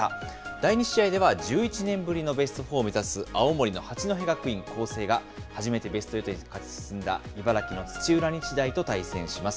第２試合では、１１年ぶりのベストフォーを目指す青森の八戸学院光星が、初めてベストエイトに勝ち進んだ茨城の土浦日大と対戦します。